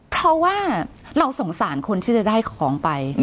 เพราะว่าเราสงสารคนที่จะได้ของไป